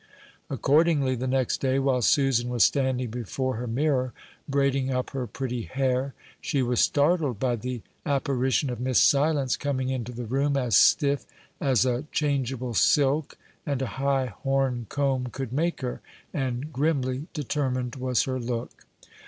Accordingly, the next day, while Susan was standing before her mirror, braiding up her pretty hair, she was startled by the apparition of Miss Silence coming into the room as stiff as a changeable silk and a high horn comb could make her; and "grimly determined was her look."